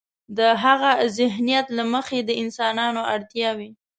د هاغه ذهنیت له مخې د انسانانو اړتیاوې.